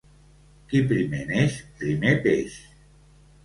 Qui primer neix, primer peix.